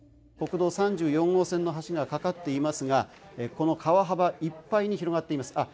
「国道３４号線の橋が架かっていますがこの川幅いっぱいに広がっています。